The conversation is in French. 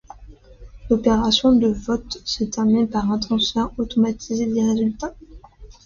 L'opération de vote se termine par un transfert automatisé des résultats.